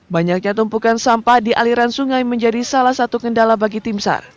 banyaknya tumpukan sampah di aliran sungai menjadi salah satu kendala bagi tim sar